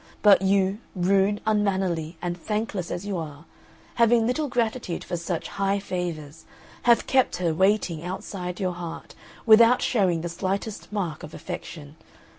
But you, rude, unmannerly, and thankless as you are, having little gratitude for such high favours, have kept her waiting outside your heart, without showing the slightest mark of affection.